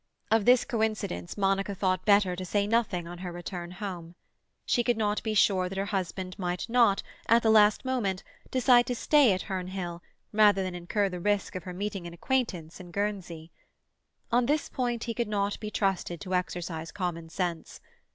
Of this coincidence Monica thought better to say nothing on her return home. She could not be sure that her husband might not, at the last moment, decide to stay at Herne Hill rather than incur the risk of her meeting an acquaintance in Guernsey. On this point he could not be trusted to exercise common sense.